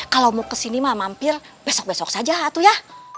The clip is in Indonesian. kalau mau ke sini ma mampir besok besok saja atu ya